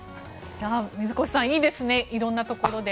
水越さんいいですね、色んなところで。